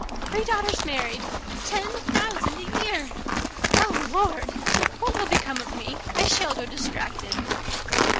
Three daughters married! Ten thousand a year! Oh, Lord! what will become of me? I shall go distracted."